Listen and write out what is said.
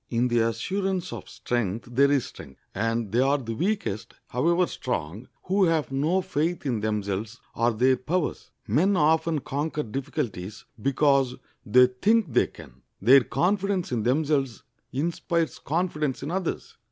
In the assurance of strength there is strength, and they are the weakest, however strong, who have no faith in themselves or their powers. Men often conquer difficulties because they think they can. Their confidence in themselves inspires confidence in others.